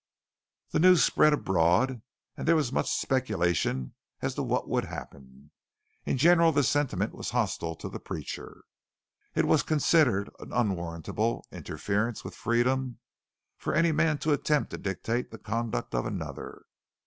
The news spread abroad, and there was much speculation as to what would happen. In general the sentiment was hostile to the preacher. It was considered an unwarrantable interference with freedom for any man to attempt to dictate the conduct of another.